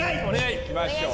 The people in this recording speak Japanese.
行きましょう！